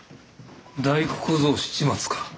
大工小僧七松か。